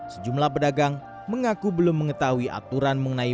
sejumlah pedagang mengaku belum mengetahui aturan mengenai